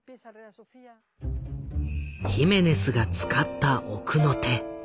ヒメネスが使った奥の手。